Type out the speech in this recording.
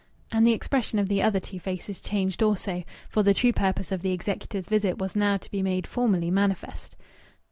And the expression of the other two faces changed also. For the true purpose of the executor's visit was now to be made formally manifest.